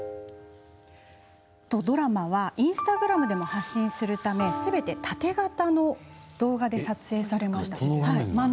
ドラマはインスタグラムでも発信するためすべてタテ型の動画で撮影されました。